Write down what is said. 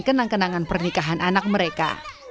kenang kenangan pernikahan anak mereka